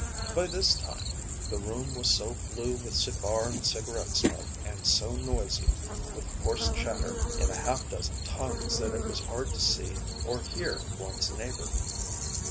By this time, the room was so blue with cigar and cigarette smoke and so noisy with coarse chatter in a half dozen tongues that it was hard to see or hear one's neighbor.